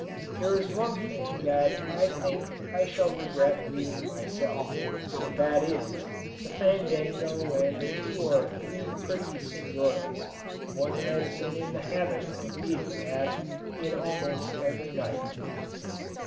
There is one thing that I think I shall regret leaving myself, and that is, the fandango and the two or three pretty senoritas one has been in the habit of meeting at it almost every night.